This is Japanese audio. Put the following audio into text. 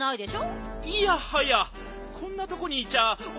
いやはやこんなとこにいちゃお